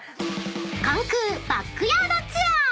［関空バックヤードツアー］